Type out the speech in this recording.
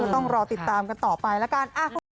ต้องรอติดตามกันต่อไปแล้วกัน